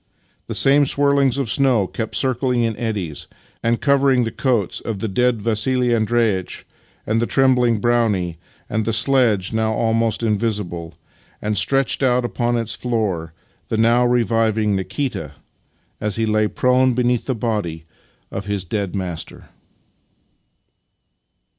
The same swirls of snow kept circling in eddies and covering the coats of the dead Vassili Andreitch and the trembling Brownie, the sledge (now almost invisible) and, stretched out upon its floor, the now reviving Nikita as he lay prone beneath the body of his dead master.